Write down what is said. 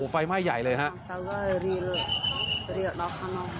ไฟไหม้ใหญ่เลยครับ